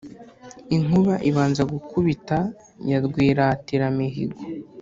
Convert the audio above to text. inkuba ibanza gukubita ya rwiratiramihigo,